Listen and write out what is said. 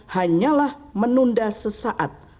hanyalah menunda sesaat